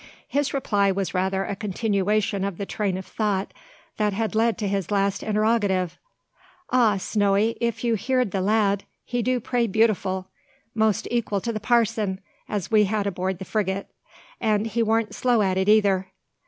His reply was rather a continuation of the train of thought that had led to his last interrogative. "Ah, Snowy, if you heerd the lad! He do pray beautiful! Most equal to the parson, as we had aboard the frigate; an' he warn't slow at it, eyther.